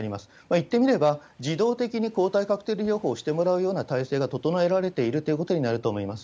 いってみれば、自動的に抗体カクテル療法をしてもらうような体制が整えられているということになると思います。